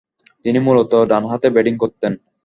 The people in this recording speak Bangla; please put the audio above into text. তিনি মূলতঃ ডানহাতে ব্যাটিং করতেন।